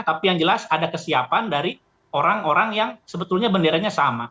tapi yang jelas ada kesiapan dari orang orang yang sebetulnya benderanya sama